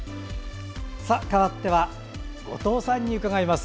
かわっては後藤さんに伺います。